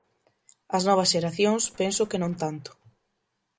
As novas xeracións penso que non tanto.